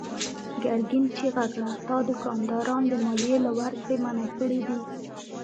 ګرګين چيغه کړه: تا دوکانداران د ماليې له ورکړې منع کړي دي.